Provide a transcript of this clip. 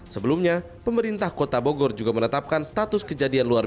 sebelumnya pemerintah kota bogor juga menetapkan status kejadian luar